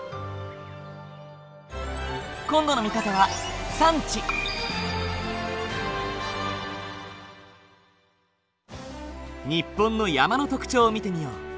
今度の見方は日本の山の特徴を見てみよう。